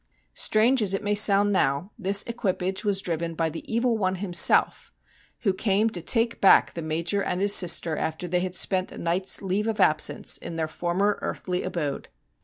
Strange as it may sound now, this equipage was driven by the Evil One himself, who came to take back the Major and his sister after they had spent a night's leave of absence in their former earthly abode.